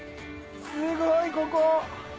すごいここ！